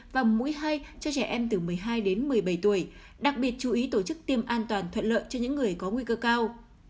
và mũi hay cho trẻ em từ một mươi hai đến một mươi bảy tuổi đặc biệt chú ý tổ chức tiêm an toàn thuận lợi cho những người có nguy cơ cao